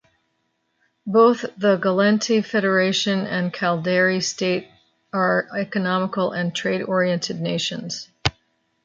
Both the Gallente Federation and Caldari State are economical and trade oriented nations.